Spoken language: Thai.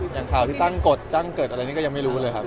อย่างข่าวที่ตั้งกฎตั้งเกิดอะไรนี่ก็ยังไม่รู้เลยครับ